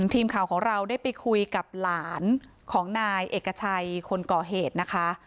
ทีมข่าวของเราได้ไปคุยกับหลานของนายเอกชัยคนก่อเหตุนะคะ